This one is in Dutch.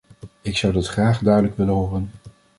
Ik zou dat graag duidelijk willen horen.